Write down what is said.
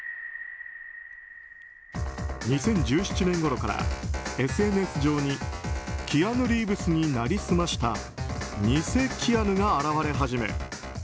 ２０１７年ごろからＳＮＳ上にキアヌ・リーブスに成り済ました偽キアヌが現れ始め